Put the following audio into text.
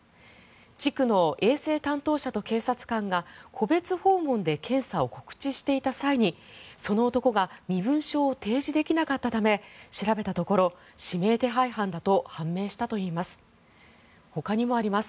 地区の衛生担当者と警察官が戸別訪問で検査を告知していた際にその男が身分証を提示できなかったため調べたところ指名手配犯だと判明したといいます。